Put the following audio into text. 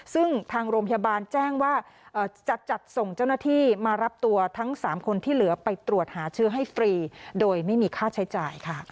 ซึ่งทางโรงพยาบาลแจ้งว่าจะจัดส่งเจ้าหน้าที่มารับตัวทั้ง๓คนที่เหลือไปตรวจหาเชื้อให้ฟรีโดยไม่มีค่าใช้จ่ายค่ะ